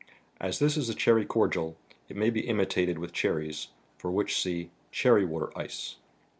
As this is a cherry cordial, it may be imitated with cherries, for which see " Cherry Water Ice."